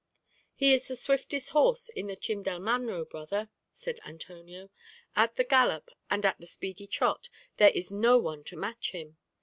"He is the swiftest horse in the Chim del Manró, brother," said Antonio; "at the gallop and at the speedy trot, there is no one to match him.